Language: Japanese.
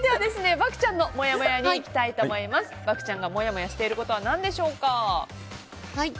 漠ちゃんがもやもやしてることは何でしょうか。